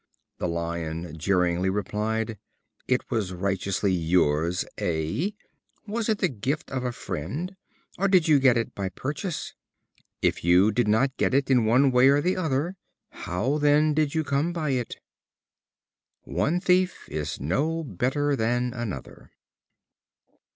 The Lion jeeringly replied: "It was righteously yours, eh? Was it the gift of a friend, or did you get it by purchase? If you did not get it in one way or the other, how then did you come by it?" One thief is no better than another.